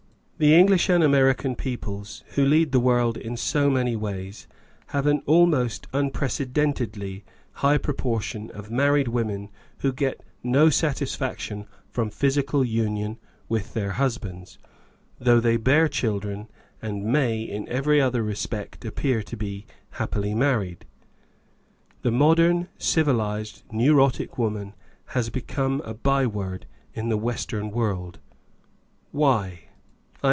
64 Married Love The English and American peoples, who lead the world in so many ways, have an almost unprece dentedly high proportion of married women who get no satisfaction from physical union with their hus bands, though they bear children, and may in every other respect appear to be happily married. The modern civilised neurotic woman has become a by word in the Western world. Why